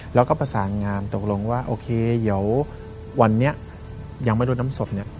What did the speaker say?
แล้วก็ประสานงามตกลงว่าโอเคเดี๋ยววันนี้ยังไม่รู้น้ำศพเนี่ย